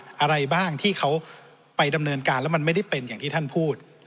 อะไรบ้างที่เขาไปดำเนินการแล้วมันไม่ได้เป็นอย่างที่ท่านพูด